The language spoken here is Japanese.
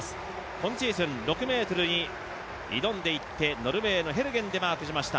今シーズン６ｍに挑んでいって、ノルウェーでマークしました。